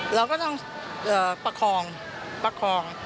เราก็ต้องประคอง